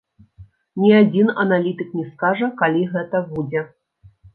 Ні адзін аналітык не скажа, калі гэта будзе.